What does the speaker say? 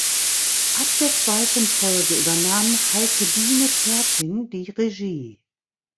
Ab der zweiten Folge übernahm Heikedine Körting die Regie.